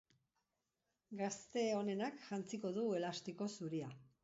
Gazte onenak jantziko du elastiko zuria.